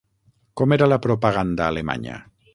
Com era la propaganda alemanya?